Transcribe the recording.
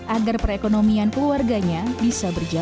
agar perekonomian keluarganya bisa berjalan